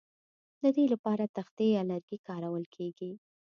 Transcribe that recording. د دې لپاره تختې یا لرګي کارول کیږي